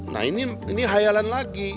nah ini hayalan lagi